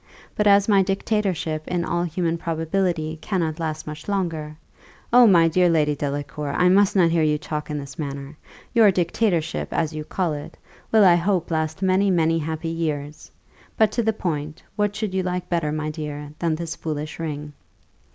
But as my dictatorship in all human probability cannot last much longer " "Oh, my dear Lady Delacour! I must not hear you talk in this manner: your dictatorship, as you call it, will I hope last many, many happy years. But to the point what should you like better, my dear, than this foolish ring?"